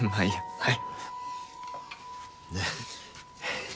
はい。